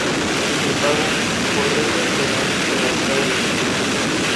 El pago, por regla general, se realizará en efectivo.